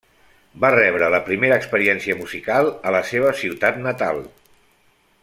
Va rebre la primera experiència musical a la seva ciutat natal.